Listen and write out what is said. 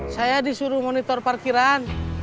saya disuruh monitor parkiran